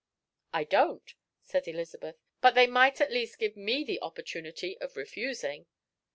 "I don't," said Elizabeth, "but they might at least give me the opportunity of refusing."